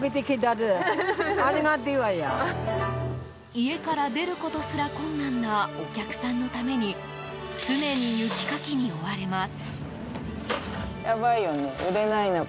家から出ることすら困難なお客さんのために常に雪かきに追われます。